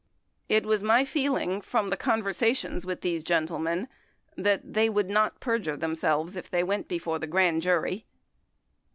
It was my feeling from the conversations with these gentlemen that they would not perjure themselves if they went before the grand jury.